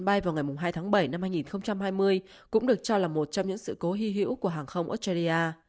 bay vào ngày hai tháng bảy năm hai nghìn hai mươi cũng được cho là một trong những sự cố hy hữu của hàng không australia